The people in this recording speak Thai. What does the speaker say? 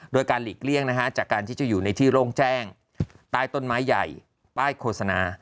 โดยการหลีกเลี่ยงจากการที่จะอยู่ในที่โล่งแจ้งใต้ต้นไม้ใหญ่ป้ายโฆษณา